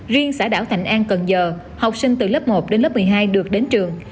riêng xã đảo thạnh an cần giờ học sinh từ lớp một đến lớp một mươi hai được đến trường